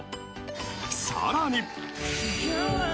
更に。